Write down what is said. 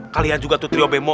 kalian juga tuh trio bemo